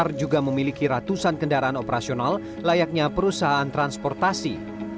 pasar juga memiliki ratusan kendaraan operasional layaknya perusahaan transportasi